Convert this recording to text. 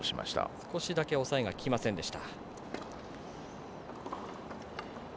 少しだけ抑えがききませんでした。